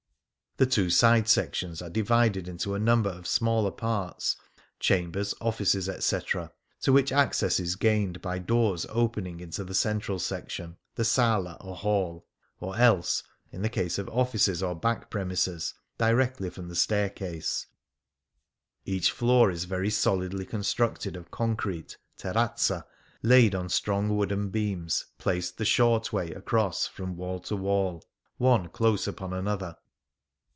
The two side sections are divided into a number of smaller parts — chambers, offices, etc, — to which access is gained by doors opening into the central section — the sola, or hall — or else (in the case of offices or back premises) directly from the staircase. Each floor is very solidly constructed of concrete {teri'ozza) laid on strong wooden beams placed the short way across from wall to wall, one close upon another.